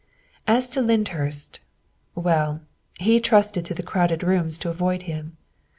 As to Lyndhurst well, he trusted to the crowded rooms to avoid him.